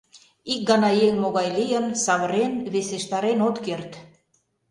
Ик гана еҥ могай лийын, — савырен, весештарен от керт.